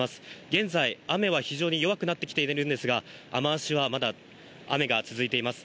現在、雨は非常に弱くなってきているんですが、雨脚はまだ雨が続いています。